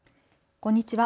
こんにちは。